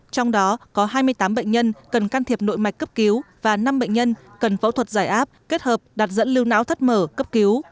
trong đó có hai mươi tám bệnh nhân cần can thiệp nội mạch cấp cứu và năm bệnh nhân cần phẫu thuật giải áp kết hợp đặt dẫn lưu não thất mở cấp cứu